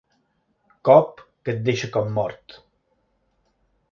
Cop que et deixa com mort.